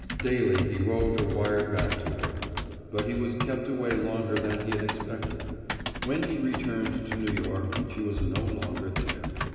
Daily he wrote or wired back to her. But he was kept away longer than he had expected. When he returned to New York she was no longer there.